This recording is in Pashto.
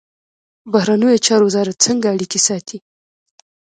بهرنیو چارو وزارت څنګه اړیکې ساتي؟